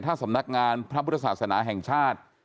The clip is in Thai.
ถ้าสำนักงานพระพุทธศาสนาแห่งชาติ